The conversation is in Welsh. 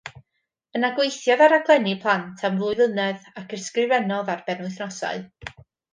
Yna gweithiodd ar raglenni plant am ddwy flynedd ac ysgrifennodd ar benwythnosau.